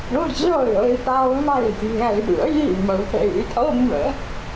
nói trời ơi tao với mày thì ngày bữa gì mà thấy thơm nữa